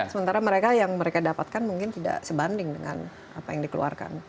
sementara mereka yang mereka dapatkan mungkin tidak sebanding dengan apa yang dikeluarkan